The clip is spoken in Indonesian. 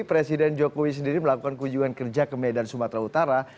presiden jokowi sendiri melakukan kunjungan kerja ke medan sumatera utara